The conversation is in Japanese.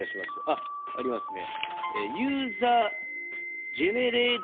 あっありますね。